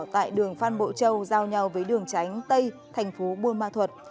tại đường phan bộ châu giao nhau với đường tránh tây thành phố buôn ma thuật